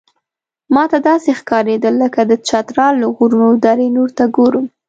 ماته داسې ښکارېدل لکه د چترال له غرونو دره نور ته ګورم.